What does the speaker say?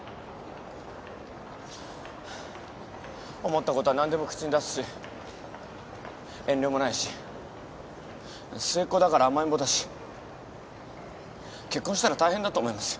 思ったことは何でも口に出すし遠慮もないし末っ子だから甘えん坊だし結婚したら大変だと思いますよ。